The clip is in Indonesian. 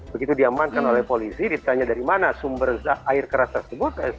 begitu diamankan oleh polisi ditanya dari mana sumber air keras tersebut